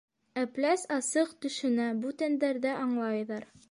Әпләс асыҡ төшөнә, бүтәндәр ҙә аңлайҙар.